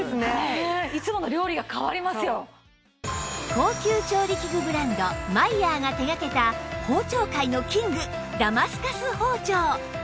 高級調理器具ブランドマイヤーが手掛けた包丁界のキングダマスカス包丁